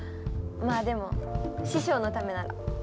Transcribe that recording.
まあでも師匠のためなら。